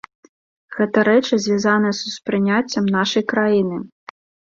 Гэта рэчы, звязаныя з успрыняццем нашай краіны.